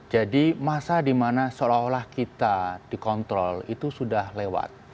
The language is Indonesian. jadi masa di mana seolah olah kita dikontrol itu sudah lewat